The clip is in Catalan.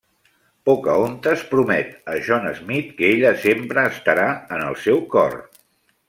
Pocahontas promet a John Smith que ella sempre estarà en el seu cor.